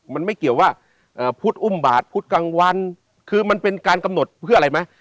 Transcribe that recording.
มันไม่เกี่ยวว่าพุทธอุ้มบาทพุธกลางวันคือมันเป็นการกำหนดเพื่ออะไรไหม